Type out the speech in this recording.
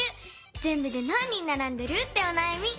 ぜんぶでなん人ならんでる？っておなやみ。